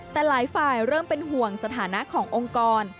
แต่หลายฝ่ายเริ่มเป็นห่วงสถานะขององค์กร